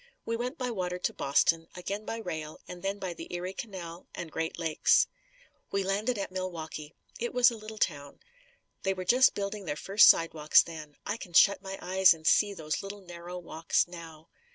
We went by water to Boston, again by rail and then by the Erie Canal and Great Lakes. We landed at Milwaukee. It was a little town. They were just building their first sidewalks then. I can shut my eyes and see those little narrow walks now.